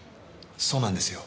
そうなんですよ。